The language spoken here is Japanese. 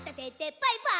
「バイバーイ！」